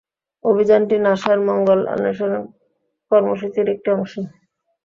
অভিযানটি নাসার মঙ্গল অন্বেষণ কর্মসূচীর একটি অংশ।